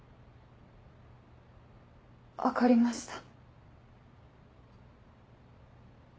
分かりました。